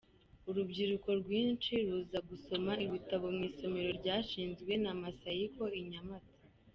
Urubyiruko rwinshi ruza gusoma ibitabo mu isomero ryashinzwe na Masahiko i Nyamata.